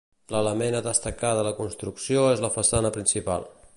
L'element a destacar de la construcció és la façana principal.